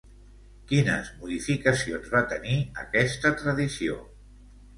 Quines modificacions va tenir aquesta tradició?